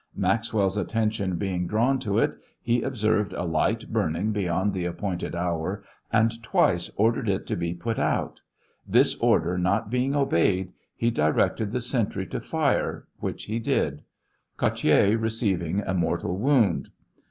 Maxwell's attention boing drawn to it, he observed a light burning beyond tbe appointed hour and twice ordered it to'be put out ; this order not being obeyed,' he directed the sentry to fire, which he did, Cottier receiving a mortal wound.